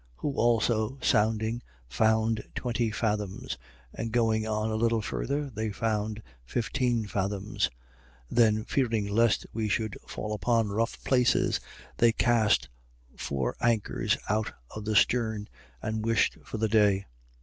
27:28. Who also sounding, found twenty fathoms: and going on a little further, they found fifteen fathoms. 27:29. Then fearing lest we should fall upon rough places, they cast four anchors out of the stern: and wished for the day.